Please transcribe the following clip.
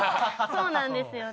そうなんですよね。